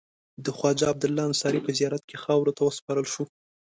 د خواجه عبدالله انصاري په زیارت کې خاورو ته وسپارل شو.